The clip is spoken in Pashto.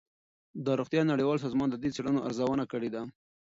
د روغتیا نړیوال سازمان د دې څېړنو ارزونه کړې ده.